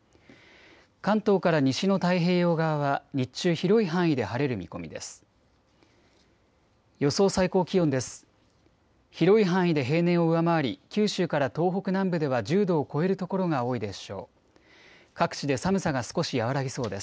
関東から西の太平洋側は日中、広い範囲で晴れる見込みです。